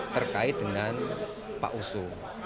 terkait dengan pak uso